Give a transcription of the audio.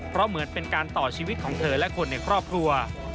เพราะเหมือนเป็นการต่อชีวิตของเธอและคนในครอบครัว